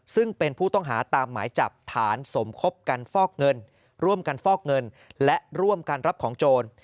ซึ่งเป็นผู้ต้องหาตามหมายจับฐานสมคบกันฟอกเงินร่วมกันฟอกเงินและร่วมกันรับของโจร